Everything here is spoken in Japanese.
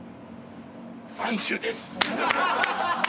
３０です。